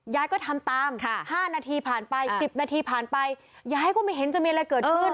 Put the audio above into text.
ย้ายก็ไม่เห็นจะมีอะไรเกิดขึ้น